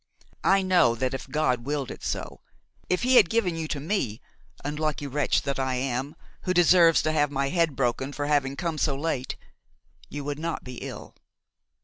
I know that if God willed it so, if he had given you to me, unlucky wretch that I am, who deserve to have my head broken for having come so late, you would not be ill.